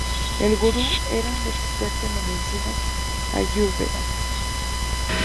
El Gurú era un experto en la medicina ayurveda.